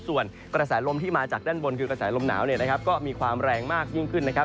ส่วนกระแสลมที่มาจากด้านบนคือกระแสลมหนาวเนี่ยนะครับก็มีความแรงมากยิ่งขึ้นนะครับ